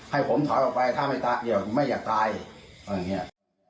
ให้ผมถอยออกไปถ้าไม่อยากตาย